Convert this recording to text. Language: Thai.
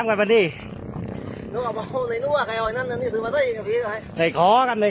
ใครคอยจะเรียกไอ้เป้น